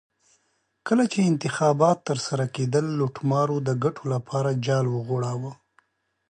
کله چې انتخابات ترسره کېدل لوټمارو د ګټو لپاره جال وغوړاوه.